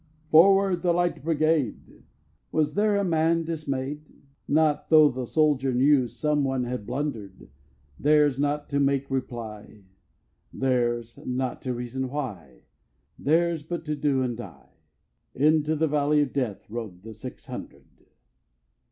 2. "Forward, the Light Brigade!" Was there a man dismay'd? Not tho' the soldier knew Some one had blunder' d: Their's not to make reply, Their's not to reason why, Their's but to do and die, Into the valley of Death Rode the six hundred.